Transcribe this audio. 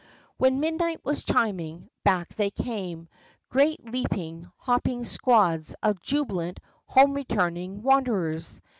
When midnight was chiming, back they came, great leaping, hopping squads of jubilant, home returning wanderers.